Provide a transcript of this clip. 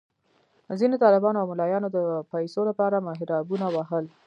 ځینو طالبانو او ملایانو د پیسو لپاره محرابونه وهل.